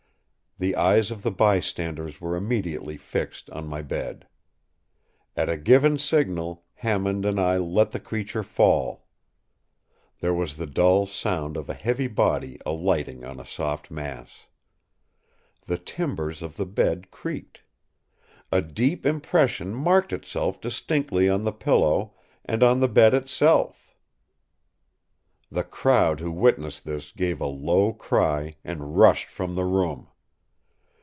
The eyes of the bystanders were immediately fixed on my bed. At a given signal Hammond and I let the creature fall. There was the dull sound of a heavy body alighting on a soft mass. The timbers of the bed creaked. A deep impression marked itself distinctly on the pillow, and on the bed itself. The crowd who witnessed this gave a low cry, and rushed from the room.